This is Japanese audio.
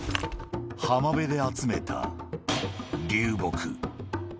浜辺で集めた流木。